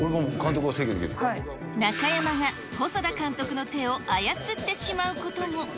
中山が、細田監督の手を操ってしまうことも。